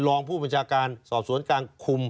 รองผู้บัญชาการสอบสวนกลางคุม